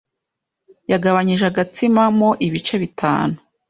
Yagabanyije agatsima mo ibice bitanu.